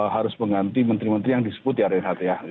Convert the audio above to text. harus mengganti menteri menteri yang disebut di area rthth